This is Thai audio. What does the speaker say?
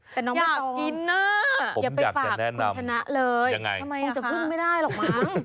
แต่น้องอยากกินนะอย่าไปฝากคุณชนะเลยคงจะพึ่งไม่ได้หรอกมั้ง